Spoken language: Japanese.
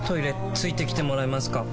付いてきてもらえますか？